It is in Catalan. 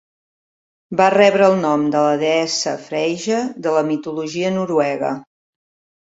Va rebre el nom de la deessa Freyja de la mitologia noruega.